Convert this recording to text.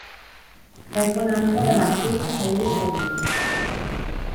Es buen amigo de la actriz Hayley Erin.